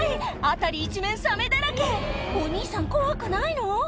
辺り一面サメだらけお兄さん怖くないの？